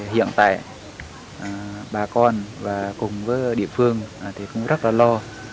hiện tại bà con và cùng với địa phương thì cũng rất là lo